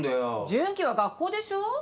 順基は学校でしょ？